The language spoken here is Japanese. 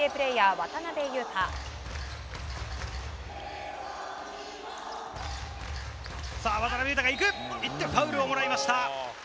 渡邊雄太ファウルをもらいました。